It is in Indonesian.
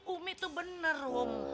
umi tuh bener rom